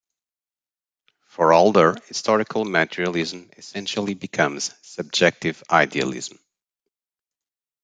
For Adler, Historical Materialism essentially becomes subjective idealism.